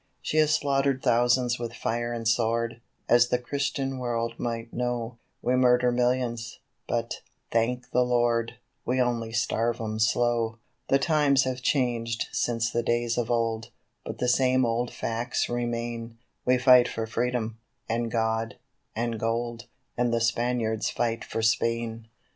She has slaughtered thousands with fire and sword, as the Christian world might know; We murder millions, but, thank the Lord! we only starve 'em slow. The times have changed since the days of old, but the same old facts remain We fight for Freedom, and God, and Gold, and the Spaniards fight for Spain.